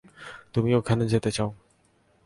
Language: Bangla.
তুমি ওখানে যেতে চাও।